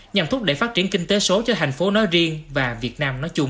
nhằm thúc đẩy phát triển kinh tế số cho thành phố nói riêng và việt nam nói chung